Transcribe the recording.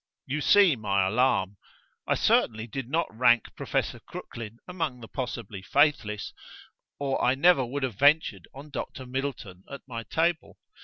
You see my alarm. I certainly did not rank Professor Crooklyn among the possibly faithless, or I never would have ventured on Doctor Middleton at my table.